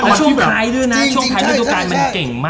และช่วงคลายด้วยนะช่วงคลายด้วยดูกันมันเก่งมาก